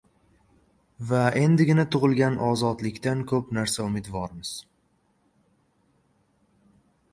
va endigina tug‘ilgan ozodlikdan ko‘p narsa umidvormiz.